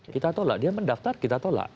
kita tolak dia mendaftar kita tolak